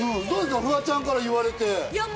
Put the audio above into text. フワちゃんから言われてどう？